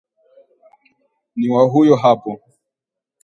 Ni wa huyo hapo